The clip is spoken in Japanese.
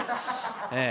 ええ。